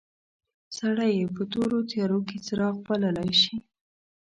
سړی یې په تورو تیارو کې څراغ بللای شي.